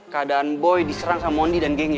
keadaan boy diserang sama mondi dan gengi